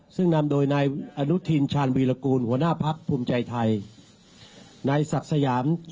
ซึ่งนำโดยนายอนุทินชาญวีรกูลหัวหน้าภักดิ์ภูมิใจไทย